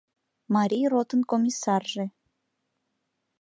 Марий ротын комиссарже.